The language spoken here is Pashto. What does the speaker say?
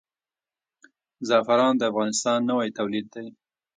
زعفران د افغانستان نوی تولید دی.